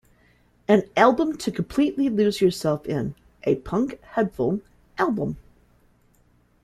An album to completely lose yourself in, a punk headphone album.